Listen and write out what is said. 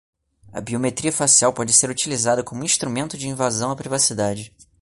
A biometria facial pode ser utilizada como instrumento de invasão à privacidade